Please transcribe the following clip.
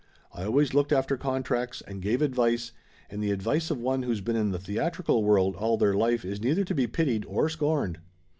I always looked after contracts and gave advice, and the advice of one who's been in the theatrical world all their life is neither to be pitied or scorned."